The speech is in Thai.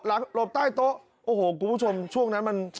หลบใต้โต๊ะโอ้โหคุณผู้ชมช่วงนั้นมัน